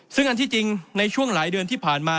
ซึ่งอันที่จริงในช่วงหลายเดือนที่ผ่านมา